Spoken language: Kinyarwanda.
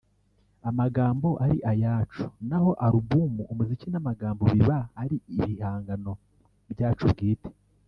amagambo ari ayacu naho album umuziki n’amagambo biba ari ibihangano byacu bwite”